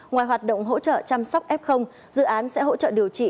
ngoài hoạt động hỗ trợ chăm sóc f dự án sẽ hỗ trợ điều trị